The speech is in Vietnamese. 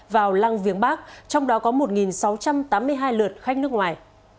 vào lăng viếng bắc trong đó có một sáu trăm tám mươi hai lượt khách nước ngoài